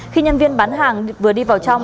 khi nhân viên bán hàng vừa đi vào trong